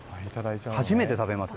初めて食べます。